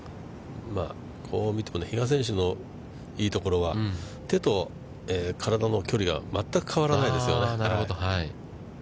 こう見ても、比嘉選手のいいところは、手と体の距離が全く変わらないですよね。